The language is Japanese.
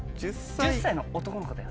１０歳の男の子だよね。